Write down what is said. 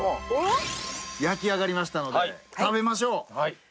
焼き上がりましたので食べましょう！